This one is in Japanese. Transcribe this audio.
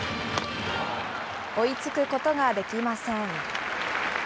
追いつくことができません。